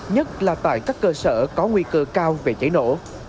nhất là tại các cơ sở có nguy cơ cao về cháy nổ